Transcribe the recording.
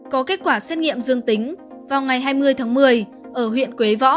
có kết quả xét nghiệm dương tính vào ngày hai mươi tháng một mươi ở huyện quế võ